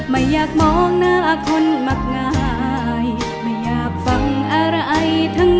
ไม่อยากมองหน้าคนมักง่ายไม่อยากฟังอะไรทั้งนั้น